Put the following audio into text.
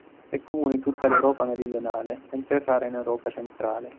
È comune in tutta l'Europa meridionale, mentre è rara in Europa centrale.